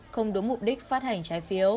không đúng mục đích